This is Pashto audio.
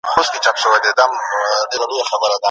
ایا څېړنه د منطقي دلیل اړتیا لري؟